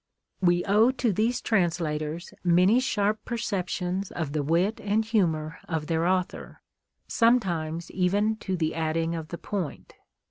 We owe to these translators many sharp perceptions of the wit and humor of their author, sometimes even to the adding of the point.